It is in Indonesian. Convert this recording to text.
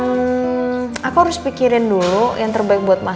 masalah itu maksudnya deep bila bombs atau jam molambang